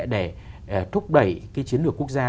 để thúc đẩy chiến lược quốc gia